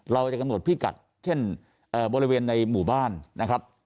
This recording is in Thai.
เราจะกำหนดพิกัดเช่นบริเวณในหมู่บ้านนะครับ